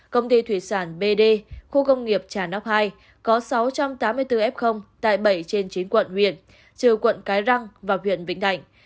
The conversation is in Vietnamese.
công ty thủy sản bd khu công nghiệp trà nóc hai có sáu trăm tám mươi bốn f tại bảy trên chín quận huyện trừ quận cái răng và huyện vĩnh thạnh